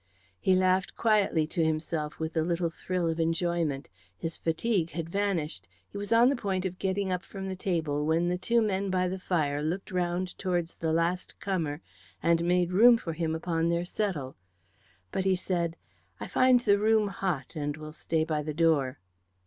He laughed quietly to himself with a little thrill of enjoyment. His fatigue had vanished. He was on the point of getting up from the table when the two men by the fire looked round towards the last comer and made room for him upon their settle. But he said, "I find the room hot, and will stay by the door."